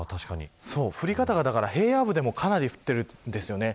降り方が、平野部でもかなり降っているんですよね。